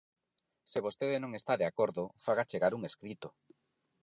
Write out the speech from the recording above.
Se vostede non está de acordo, faga chegar un escrito.